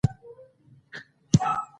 کروشیایانو د بیا حملې هڅه ونه کړل.